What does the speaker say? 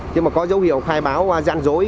nhưng mà có dấu hiệu khai báo gian dối